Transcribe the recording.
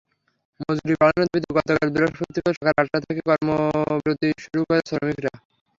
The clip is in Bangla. মজুরি বাড়ানোর দাবিতে গতকাল বৃহস্পতিবার সকাল আটটা থেকে কর্মবিরতি শুরু করেন শ্রমিকেরা।